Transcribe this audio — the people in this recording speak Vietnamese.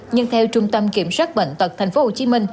nhưng theo trung tâm kiểm soát bệnh tật tp hcm